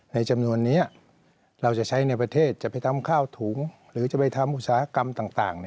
ในจำนวนนี้เราจะใช้ในประเทศจะไปทำข้าวถุงหรือจะไปทำอุตสาหกรรมต่าง